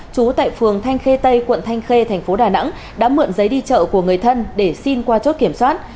trú tại phường thanh khê tây quận thanh khê thành phố đà nẵng đã mượn giấy đi chợ của người thân để xin qua chốt kiểm soát